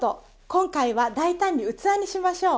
今回は大胆に器にしましょう。